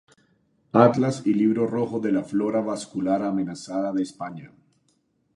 Atlas y libro rojo de la flora vascular amenazada de España.